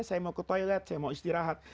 saya mau ke toilet saya mau istirahat